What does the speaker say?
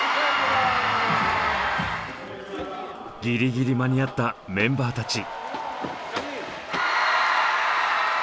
ギリギリ間に合ったメンバーたち。